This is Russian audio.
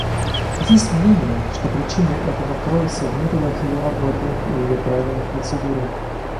Есть мнения, что причины этого кроются в методах ее работы и ее правилах процедуры.